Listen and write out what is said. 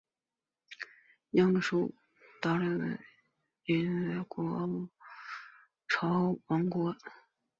鸯输伐摩塔库里王朝国王。